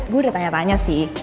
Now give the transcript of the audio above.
gue udah tanya tanya sih